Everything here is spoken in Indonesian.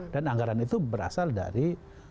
dan anggaran itu berasal dari